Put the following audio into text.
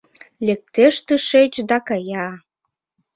«Лектеш тышеч да кая...